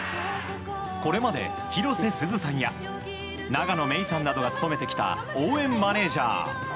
これまで、広瀬すずさんや永野芽郁さんなどが務めてきた応援マネジャー。